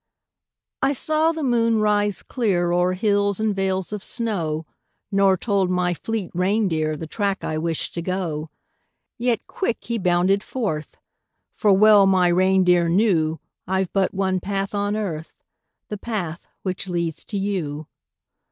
I saw the moon rise clear O'er hills and vales of snow Nor told my fleet reindeer The track I wished to go. Yet quick he bounded forth; For well my reindeer knew I've but one path on earth The path which leads to you.